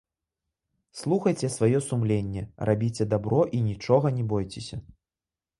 Слухайце сваё сумленне, рабіце дабро і нічога не бойцеся.